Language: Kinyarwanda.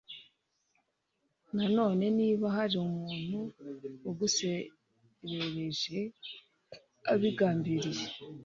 Nanone niba hari umuntu uguserereje abigambiriye